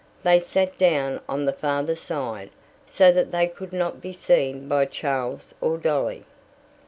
They sat down on the farther side, so that they could not be seen by Charles or Dolly.